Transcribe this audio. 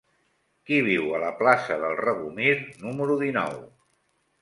Qui viu a la plaça del Regomir número dinou?